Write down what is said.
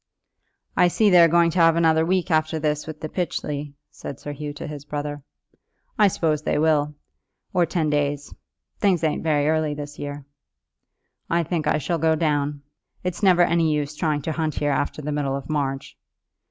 "I see they're going to have another week after this with the Pytchley," said Sir Hugh to his brother. "I suppose they will, or ten days. Things ain't very early this year." "I think I shall go down. It's never any use trying to hunt here after the middle of March."